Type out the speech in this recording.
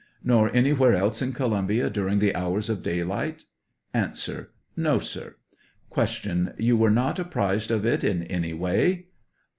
Nor anywhere else in Columbia during the hours of daylight ? 89 A. No, sir. Q. You were not apprised of it in any way